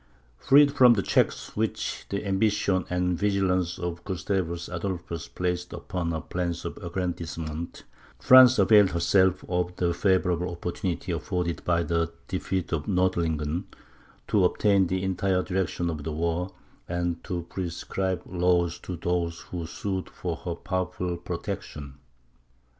Freed from the checks which the ambition and vigilance of Gustavus Adolphus placed upon her plans of aggrandizement, France availed herself of the favourable opportunity afforded by the defeat of Nordlingen, to obtain the entire direction of the war, and to prescribe laws to those who sued for her powerful protection.